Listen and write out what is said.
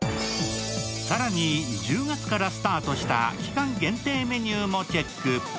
更に、１０月からスタートした期間限定メニューもチェック。